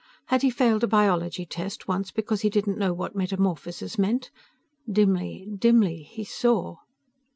Had he failed a biology test once because he didn't know what metamorphosis meant ... dimly ... dimly ... he saw